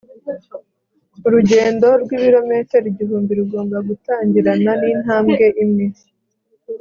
urugendo rw'ibirometero igihumbi rugomba gutangirana n'intambwe imwe